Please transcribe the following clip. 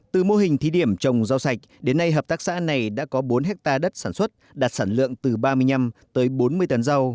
từ mô hình thí điểm trồng rau sạch đến nay hợp tác xã này đã có bốn hectare đất sản xuất đạt sản lượng từ ba mươi năm tới bốn mươi tấn rau